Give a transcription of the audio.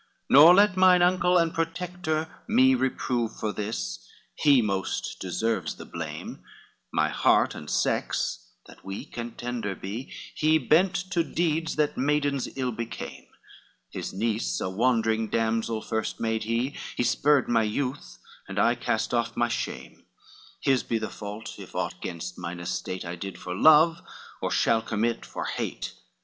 LXXIII "Nor let mine uncle and protector me Reprove for this, he most deserves the blame, My heart and sex, that weak and tender be, He bent to deeds that maidens ill became; His niece a wandering damsel first made he, He spurred my youth, and I cast off my shame, His be the fault, if aught gainst mine estate I did for love, or shall commit for hate."